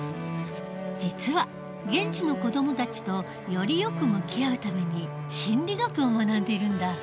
実は現地の子どもたちとよりよく向き合うために心理学を学んでいるんだ。